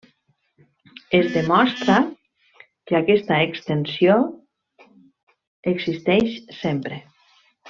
Es demostra que aquesta extensió existeix sempre.